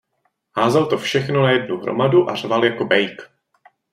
Házel to všechno na jednu hromadu a řval jako bejk.